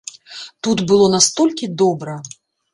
Тут было настолькі добра!